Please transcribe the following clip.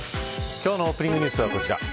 今日のオープニングニュースはこちら。